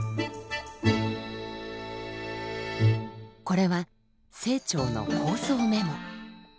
これは清張の構想メモ。